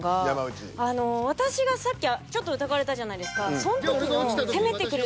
あの私がさっきちょっと疑われたじゃないですか。